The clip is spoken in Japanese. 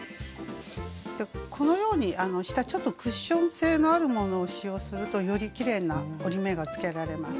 このように下ちょっとクッション性のあるものを使用するとよりきれいな折り目がつけられます。